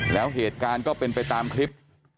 แล้วเหตุการณ์ก็เป็นไปตามคลิป